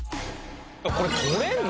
これ取れるの？